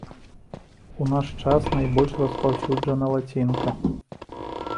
У наш час найбольш распаўсюджана лацінка.